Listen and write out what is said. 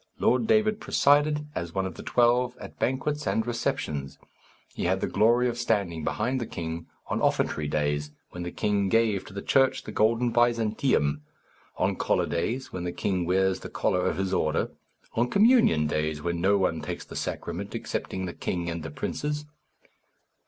Lord David presided, as one of the twelve, at banquets and receptions. He had the glory of standing behind the king on offertory days, when the king give to the church the golden byzantium; on collar days, when the king wears the collar of his order; on communion days, when no one takes the sacrament excepting the king and the princes.